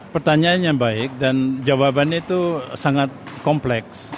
pertanyaan yang baik dan jawabannya itu sangat kompleks